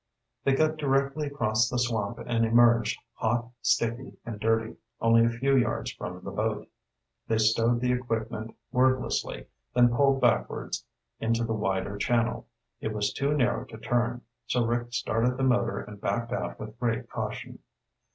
They cut directly across the swamp and emerged, hot, sticky, and dirty, only a few yards from the boat. They stowed the equipment wordlessly, then poled backwards into the wider channel. It was too narrow to turn, so Rick started the motor and backed out with great caution.